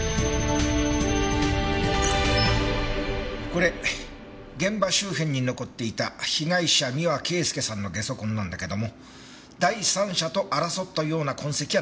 これ現場周辺に残っていた被害者三輪圭祐さんの下足痕なんだけども第三者と争ったような痕跡は残っていない。